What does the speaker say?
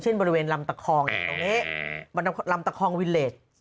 บริเวณลำตะคองตรงนี้ลำตะคองวิเลส